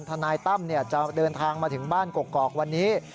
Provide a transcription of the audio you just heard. ทนายตั้มจะเดินทางมาถึงบ้านกกอกวันนี้